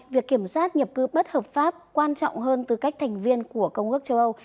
việc kiểm soát nhập cư bất hợp pháp quan trọng hơn tư cách thành viên của công ước châu âu